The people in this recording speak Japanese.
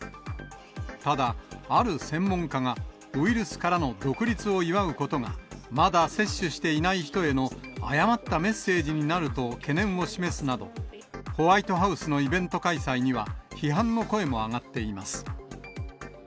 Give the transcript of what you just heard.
ただ、ある専門家が、ウイルスからの独立を祝うことがまだ接種していない人への誤ったメッセージになると懸念を示すなど、ホワイトハウスのイベント開催には、批判の声も上がっています。